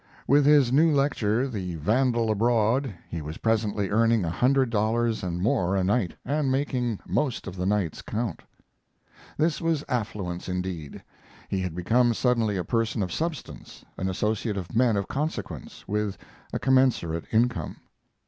With his new lecture, "The Vandal Abroad," he was presently earning a hundred dollars and more a night, and making most of the nights count. This was affluence indeed. He had become suddenly a person of substance an associate of men of consequence, with a commensurate income.